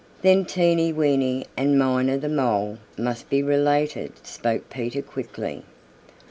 "Then Teeny Weeny and Miner the Mole must be related," spoke Peter quickly.